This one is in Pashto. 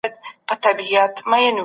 د ګاونډیانو لاسوهنه څنګه غندل کیږي؟